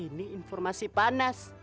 ini informasi panas